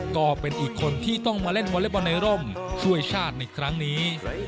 ก็เป็นอีกคนที่ต้องมาเล่นวอเล็กบอลในร่มช่วยชาติในครั้งนี้